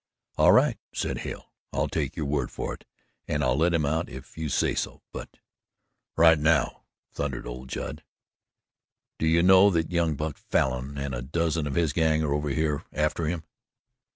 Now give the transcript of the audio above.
"All right," said Hale; "I'll take your word for it and I'll let him out, if you say so, but " "Right now," thundered old Judd. "Do you know that young Buck Falin and a dozen of his gang are over here after him?"